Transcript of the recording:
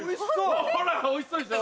ほらおいしそうでしょ。